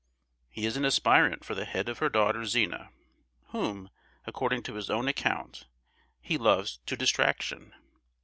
He is an aspirant for the hand of her daughter Zina, whom, according to his own account, he loves to distraction.